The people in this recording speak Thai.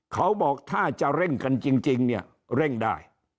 เขาบอกถ้าจะเร่งกันจริงเนี่ยเร่งได้